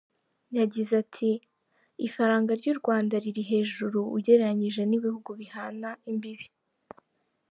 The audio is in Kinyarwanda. Yagize ati “Ifaranga ry’u Rwanda riri hejuru ugereranyije n’ibihugu bihana imbibi.